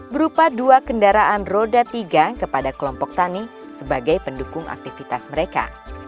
berupa dua kendaraan roda tiga kepada kelompok tani sebagai pendukung aktivitas mereka